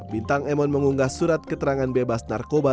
bintang emon mengunggah surat keterangan bebas narkoba